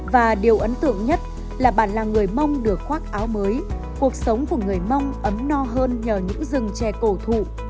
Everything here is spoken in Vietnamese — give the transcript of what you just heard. và điều ấn tượng nhất là bản làng người mông được khoác áo mới cuộc sống của người mông ấm no hơn nhờ những rừng chè cổ thụ